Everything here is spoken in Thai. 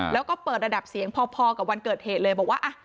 แล้วก็เปิดระดับเสียงพอกับวันเกิดเหตุเลยบอกว่า